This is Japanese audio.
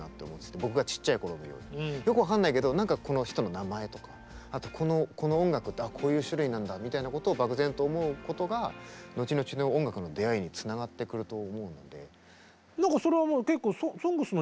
よく分かんないけど何かこの人の名前とかこの音楽ってこういう種類なんだみたいなことを漠然と思うことが後々の音楽の出会いにつながってくると思うので。